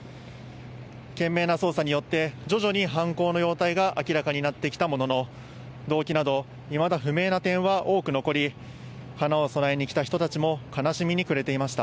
懸命な捜査によって、徐々に犯行の様態が明らかになってきたものの、動機など、いまだ不明な点は多く残り、花を供えに来た人たちも悲しみに暮れていました。